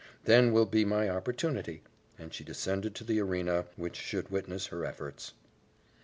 Then will be my opportunity," and she descended to the arena which should witness her efforts.